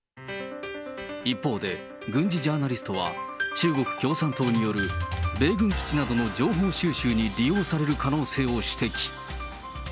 一方で、軍事ジャーナリストは、中国共産党による米軍基地などの情報収集に利用される可能性を指摘。